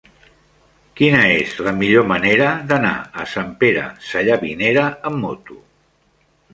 Quina és la millor manera d'anar a Sant Pere Sallavinera amb moto?